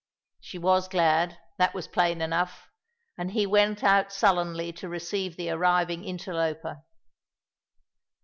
She was glad, that was plain enough, and he went out sullenly to receive the arriving interloper.